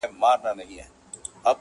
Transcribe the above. او د ټولنې پر ضمير اوږد سيوری پرېږدي,